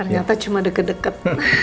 ternyata cuma deket deket